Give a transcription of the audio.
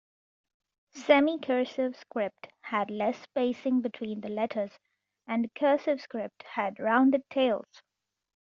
Semicursive script had less spacing between the letters, and cursive script had rounded tails.